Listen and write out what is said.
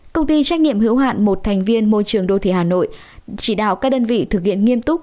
công ty trách nhiệm hữu hạn một thành viên môi trường đô thị hà nội chỉ đạo các đơn vị thực hiện nghiêm túc